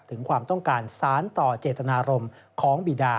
ถึงความต้องการสารต่อเจตนารมณ์ของบีดา